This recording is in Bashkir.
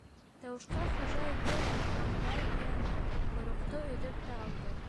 Тауышҡа хужа эте Аҡбай уянды, ҡойроҡто өҙөп тә алды.